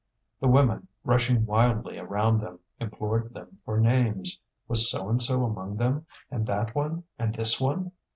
The women, rushing wildly around them, implored them for names. Was So and so among them? and that one? and this one?